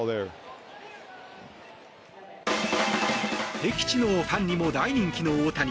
敵地のファンにも大人気の大谷。